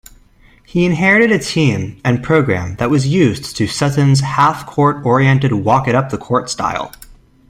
He inherited a team and program that was used to Sutton's halfcourt-oriented, walk-it-up-the-court style.